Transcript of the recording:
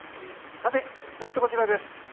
さて、ポイントはこちらです。